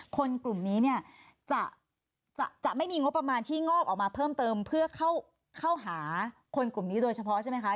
กลุ่มนี้เนี่ยจะไม่มีงบประมาณที่งอกออกมาเพิ่มเติมเพื่อเข้าหาคนกลุ่มนี้โดยเฉพาะใช่ไหมคะ